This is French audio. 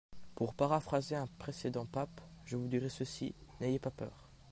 Pour paraphraser un précédent pape, je vous dirai ceci, n’ayez pas peur